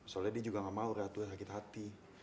soalnya dia juga gak mau ratu sakit hati